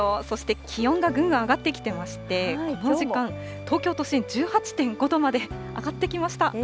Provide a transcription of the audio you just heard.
そして気温がぐんぐん上がってきてまして、この時間、東京都心１８．５度まで上がってきました。